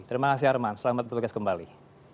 terima kasih arman selamat bertugas kembali